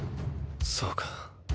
そうか。